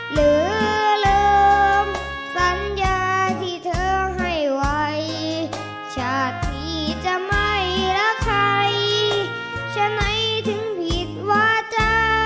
หรือลืมสัญญาที่เธอให้ไว้ชาติที่จะไม่รักใครฉะไหนถึงผิดวาจา